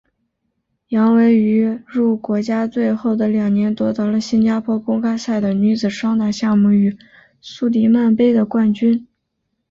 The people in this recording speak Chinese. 杨维于入国家队后的两年夺得了新加坡公开赛的女子双打项目与苏迪曼杯的冠军。